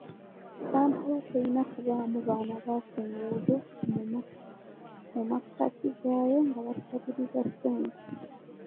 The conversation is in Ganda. Kampala terina kubaamu baana ba ku nguudo mu makkati gaayo nga basabiriza ssente.